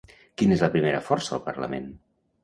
Quina és la primera força al Parlament?